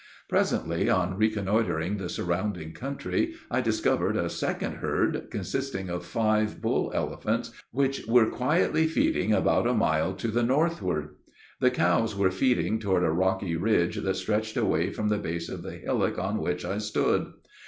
Presently, on reconnoitering the surrounding country, I discovered a second herd, consisting of five bull elephants, which were quietly feeding about a mile to the northward. The cows were feeding toward a rocky ridge that stretched away from the base of the hillock on which I stood.